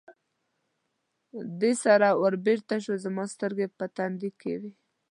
دې سره ور بېرته شو، زما سترګې په تندي کې وې.